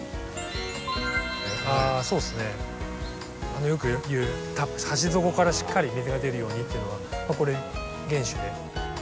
あそうですね。よく言う鉢底からしっかり水が出るようにっていうのはこれ厳守で。